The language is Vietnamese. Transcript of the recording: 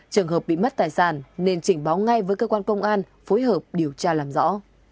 trường hợp bị mất tài sản nên trình báo ngay với cơ quan công an phối hợp điều tra làm rõ